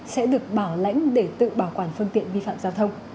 sẽ được bảo lãnh để tự bảo quản phương tiện vi phạm giao thông